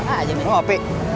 kau mau apa